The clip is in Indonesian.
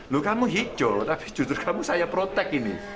loh kamu hijau tapi justru kamu saya protek ini